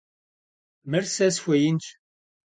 Mır se sxueinş.